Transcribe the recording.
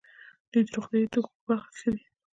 دوی د روغتیايي توکو په برخه کې ښه دي.